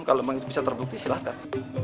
kalau memang itu bisa terbukti silahkan